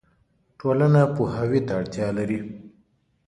ټولنه پوهاوي ته اړتیا لري.